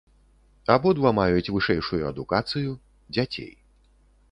Абодва маюць вышэйшую адукацыю, дзяцей.